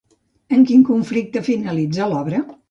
Amb quin conflicte finalitza l'obra?